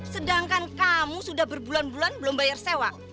sedangkan kamu sudah berbulan bulan belum bayar sewa